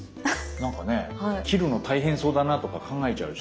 なんかね切るの大変そうだなとか考えちゃうし。